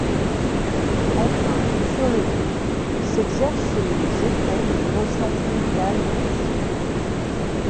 Enfin, sur le tout, s'exercent les effets de l'érosion fluviale et glaciaire.